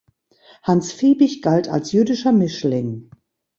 Hans Viebig galt als jüdischer Mischling.